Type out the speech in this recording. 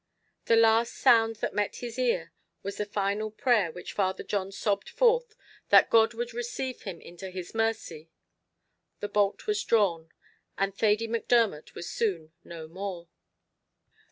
The last sound that met his ear was the final prayer which Father John sobbed forth that God would receive him into his mercy; the bolt was drawn and Thady Macdermot was soon no more.